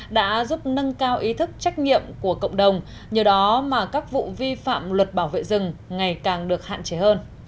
đã giúp nâng cao ý thức trách nhiệm của cộng đồng nhờ đó mà các vụ vi phạm luật bảo vệ rừng ngày càng được hạn chế hơn